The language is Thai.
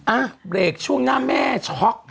อ่ะเบรกช่วงหน้าแม่ช็อก